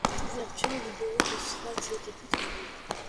L'ouverture du bureau de Sfax a été plus tardive.